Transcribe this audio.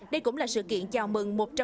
đây cũng là sự kiện chào mừng